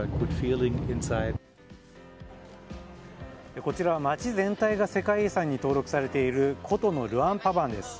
こちら街全体が世界遺産に登録されている古都のルアンパバーンです。